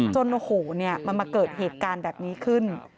จนโอ้โหมันมาเกิดเหตุการณ์แบบนี้ขึ้น